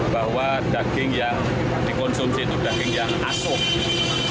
bahwa daging yang dikonsumsi itu daging yang asuh